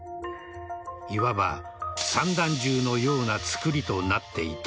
いわば散弾銃のような作りとなっていた。